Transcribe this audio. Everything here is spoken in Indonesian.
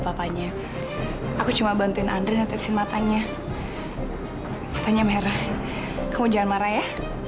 salahnya aku cuma bantuin andri netizen matanya matanya merah kamu jangan marah ya